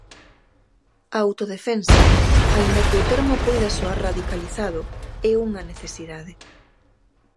A autodefensa, aínda que o termo poida soar radicalizado, é unha necesidade.